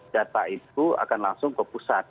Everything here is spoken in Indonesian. data itu akan langsung ke pusat